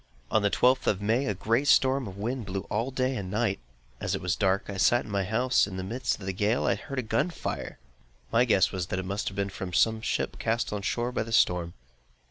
On the twelfth of May, a great storm of wind blew all day and night. As it was dark, I sat in my house; and in the midst of the gale, I heard a gun fire! My guess was that it must have been from some ship cast on shore by the storm.